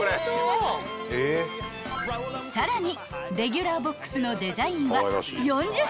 ［さらに］